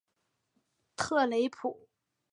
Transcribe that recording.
特雷普。